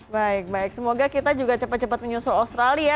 baik baik semoga kita juga cepat cepat menyusul australia